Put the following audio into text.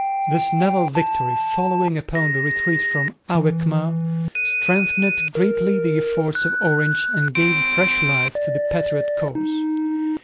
This naval victory, following upon the retreat from Alkmaar, strengthened greatly the efforts of Orange and gave fresh life to the patriot cause.